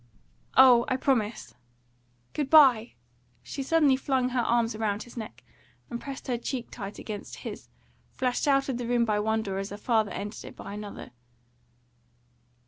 "Oh, I promise!" "Good bye!" She suddenly flung her arms round his neck, and, pressing her cheek tight against his, flashed out of the room by one door as her father entered it by another.